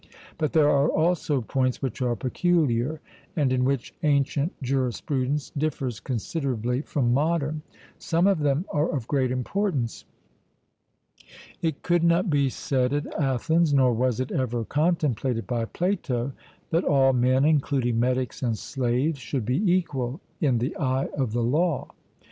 But there are also points which are peculiar, and in which ancient jurisprudence differs considerably from modern; some of them are of great importance...It could not be said at Athens, nor was it ever contemplated by Plato, that all men, including metics and slaves, should be equal 'in the eye of the law.'